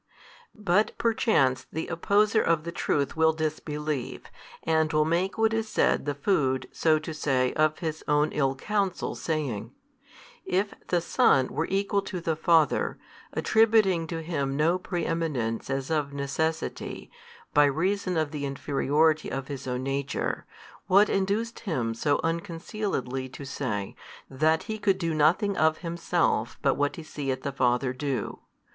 But perchance the opposer of the truth will disbelieve, and will make what is said the food so to say of his own ill counsel saying: "If the Son were Equal to the Father, attributing to Him no Preeminence as of necessity, by reason of the inferiority of His Own Nature, what induced Him so unconcealedly to say, that He could do nothing of Himself but what He seeth the Father do?